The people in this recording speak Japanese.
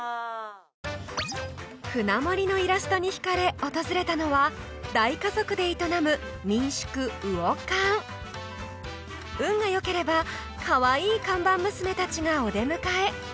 舟盛りのイラストにひかれ訪れたのは大家族で営む民宿「魚勘」運がよければかわいい看板娘たちがお出迎え